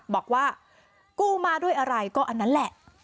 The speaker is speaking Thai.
บอกว่ากู้มาด้วยอะไรก็อันนั้นแหละ